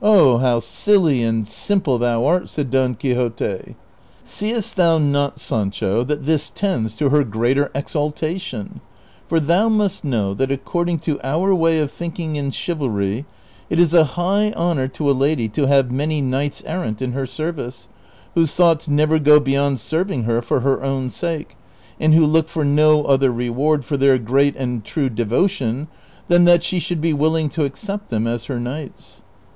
" 0, how silly and simple thou art !" said Don Quixote ;" seest thou not, Sancho, that this tends to her greater exalta tion ? Por thou must know that according to our way of think ing in cliivalry, it is a high honor to a lady to have many knights errant in her service, whose thoughts never go beyond serving her for her own sake, and who look for no other reward for their great and true devotion than that she should be will ing to accept them as her knights."